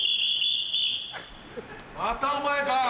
またお前か！